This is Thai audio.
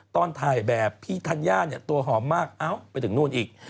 ตอนถ่ายแบบพี่ธัญญาตัวหอมมากไปถึงนู่นอีก